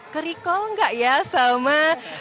kerikol gak ya sama